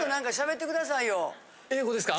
英語ですか？